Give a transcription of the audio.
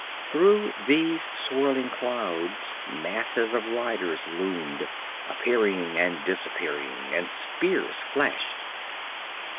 Through these swirling clouds masses of riders loomed, appearing and disappearing, and spears flashed.